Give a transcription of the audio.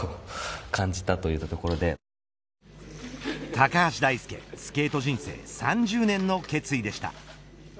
高橋大輔、スケート人生３０年の決意でした。